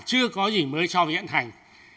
chưa có gì mới so với hiện hành